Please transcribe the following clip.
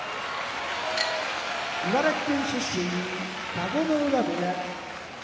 茨城県出身田子ノ浦部屋